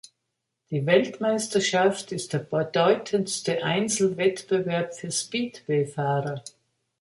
Die Weltmeisterschaft ist der bedeutendste Einzel-Wettbewerb für Speedwayfahrer.